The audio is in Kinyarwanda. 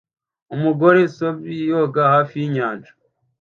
Umugore sub yoga hafi yinyanja